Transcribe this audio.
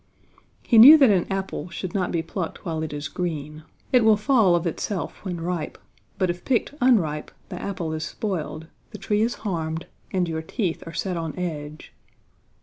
He knew that an apple should not be plucked while it is green. It will fall of itself when ripe, but if picked unripe the apple is spoiled, the tree is harmed, and your teeth are set on edge.